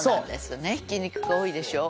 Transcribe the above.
「ひき肉が多いでしょ？」